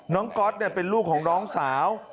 น้องก๊อตเนี่ยเป็นลูกของน้องสาว